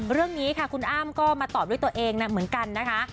เรื่องนี้ค่ะคุณอ้ำก็มาตอบด้วยตัวเองนะเหมือนกันนะคะ